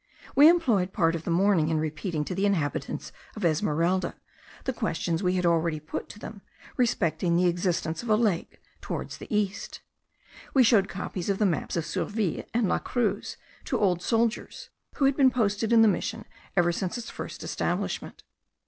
We employed part of the morning in repeating to the inhabitants of Esmeralda the questions we had already put to them, respecting the existence of a lake towards the east. We showed copies of the maps of Surville and La Cruz to old soldiers, who had been posted in the mission ever since its first establishment.